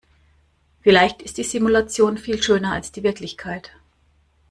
Vielleicht ist die Simulation viel schöner als die Wirklichkeit.